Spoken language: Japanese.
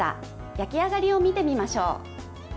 焼き上がりを見てみましょう。